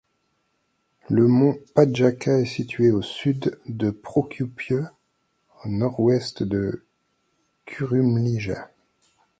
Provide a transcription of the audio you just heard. Le mont Pasjača est situé au sud de Prokuplje et au nord-ouest de Kuršumlija.